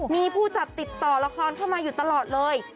มีผู้จัดติดต่อละครเข้ามาอยู่ตลอดเลย